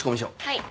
はい。